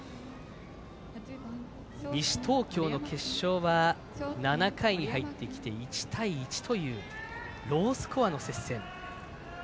西東京の決勝は７回に入って１対１というロースコアの接戦。